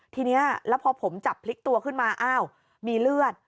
ทีนี้แล้วพอผมจับพลิกตัวขึ้นมาอ้าวมีเลือด